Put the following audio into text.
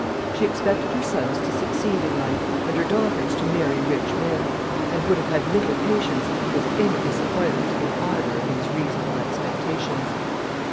She expected her sons to succeed in life, and her daughters to marry rich men; and would have had little patience with any disappointment in either of these reasonable expectations.